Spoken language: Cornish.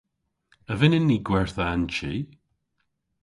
A vynnyn ni gwertha an chi?